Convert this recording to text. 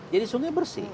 jadi sungai bersih